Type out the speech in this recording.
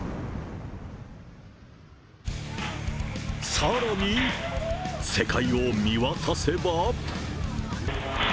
さらに世界を見渡せば。